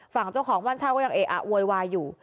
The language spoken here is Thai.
ฝั่งเจ้าของบ้านเช่าก็ยังเออะโวยวายอยู่